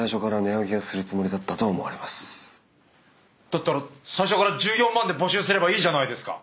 だったら最初から１４万で募集すればいいじゃないですか。